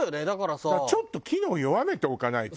ちょっと機能弱めておかないと。